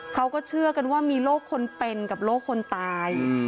เขาก็เชื่อกันว่ามีโรคคนเป็นกับโรคคนตาย